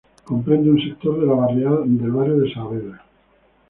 Comprende un sector del barrio de Saavedra.